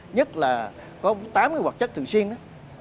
nhất là có tám cái hoạt chất thường xuyên đó